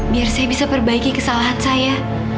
biar saya bisa perbaiki kesalahan saya